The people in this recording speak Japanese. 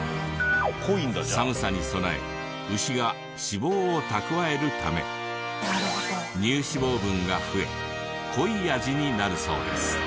寒さに備え牛が脂肪を蓄えるため乳脂肪分が増え濃い味になるそうです。